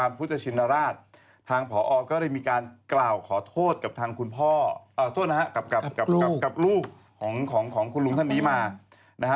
ในภาคสูชาชพรเจริญฮง